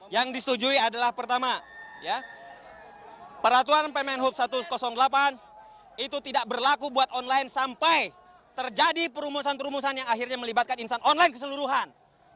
yang disetujui adalah pertama peraturan pemenhub satu ratus delapan itu tidak berlaku buat online sampai terjadi perumusan perumusan yang akhirnya melibatkan insan online keseluruhan